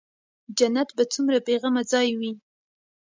جنت به څومره بې غمه ځاى وي.